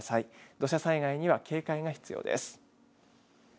土砂災害には警戒が必要です。